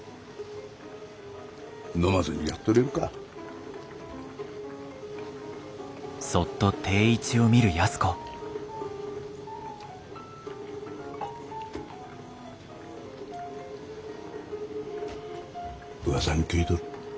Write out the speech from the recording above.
飲まずにやっとれるか。うわさに聞いとる。